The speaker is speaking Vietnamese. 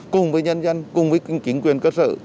cùng với nhân dân cùng với chính quyền cơ sở